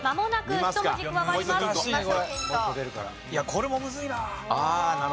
いやこれもむずいな。